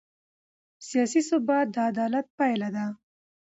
سیاسي ثبات د عدالت پایله ده